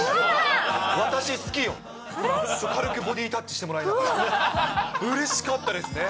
私、好きよと、軽くボディータッチしてもらいながら、うれしかったですね。